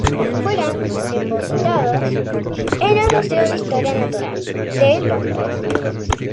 Fueron depositados en el Museo de Historia Natural, de Londres.